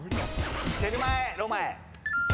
テルマエ・ロマエ。